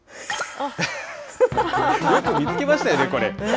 よく見つけましたよね、これ。